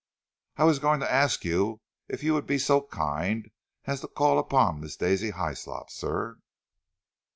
"I was going to ask you if you would be so kind as to call upon Miss Daisy Hyslop, sir."